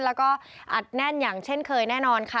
แล้วก็อัดแน่นอย่างเช่นเคยแน่นอนค่ะ